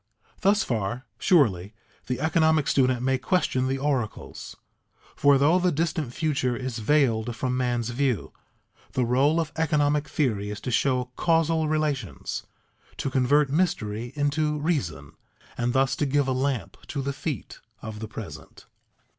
Thus far, surely, the economic student may question the oracles; for though the distant future is veiled from man's view, the role of economic theory is to show causal relations, to convert mystery into reason, and thus to give a lamp to the feet of the present.